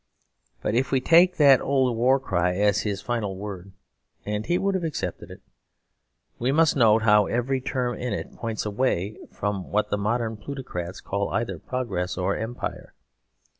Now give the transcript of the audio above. But if we take that old war cry as his final word (and he would have accepted it) we must note how every term in it points away from what the modern plutocrats call either progress or empire.